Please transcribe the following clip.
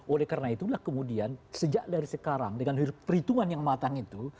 oleh karena itulah kemudian sejak dari sekarang dengan perhitungan yang matang itu